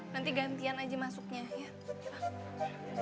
nanti gantian aja masuknya ya